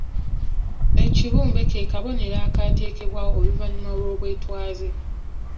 Ekibumbe ke kabonero akaateekebwawo oluvannyuma lw'obwetwaze.